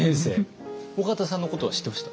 緒方さんのことは知ってました？